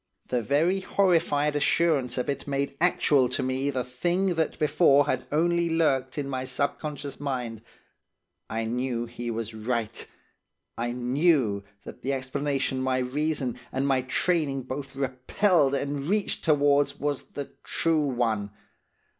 The very horrified assurance of it made actual to me the thing that before had only lurked in my subconscious mind. I knew he was right; I knew that the explanation my reason and my training both repelled and reached towards was the true one.